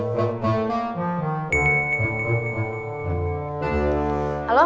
gak ada apa apa